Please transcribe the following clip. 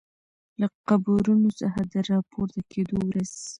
له قبرونو څخه د راپورته کیدو ورځ